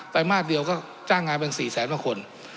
ไตรมาสเดียวก็จ้างงานแปลง๔๐๐๐๐๐คน